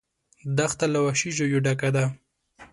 دښته له وحشي ژویو ډکه ده.